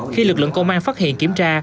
khi lực lượng công an phát hiện kiểm tra